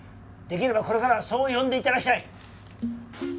できればこれからはそう呼んで頂きたい！